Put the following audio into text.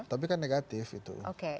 tapi kan negatif itu